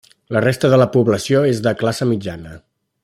La resta de la població és de classe mitjana.